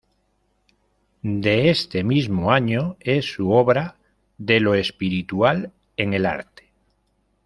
De este mismo año es su obra "De lo espiritual en el arte.